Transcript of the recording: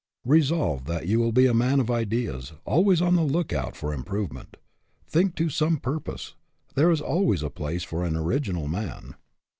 Re solve that you will be a man of ideas, always 166 ORIGINALITY on the lookout for improvement. Think to some purpose. There is always a place for an original man.